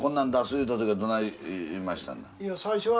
言うた時はどない言いましたの？